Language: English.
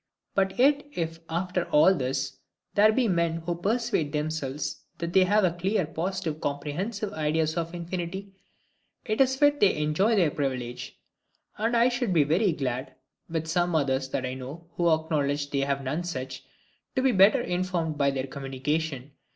But yet if after all this, there be men who persuade themselves that they have clear positive comprehensive ideas of infinity, it is fit they enjoy their privilege: and I should be very glad (with some others that I know, who acknowledge they have none such) to be better informed by their communication.